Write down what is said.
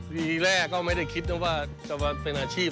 ทีแรกก็ไม่ได้คิดนะว่าจะมาเป็นอาชีพ